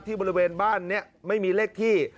บริเวณบ้านนี้ไม่มีเลขที่